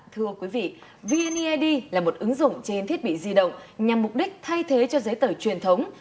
thưa quý vị vneid là một ứng dụng trên thiết bị di động nhằm mục đích thay thế cho giấy tờ truyền thống